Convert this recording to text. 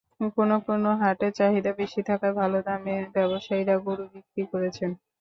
কোনো কোনো হাটে চাহিদা বেশি থাকায় ভালো দামে ব্যবসায়ীরা গরু বিক্রি করেছেন।